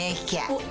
おっ。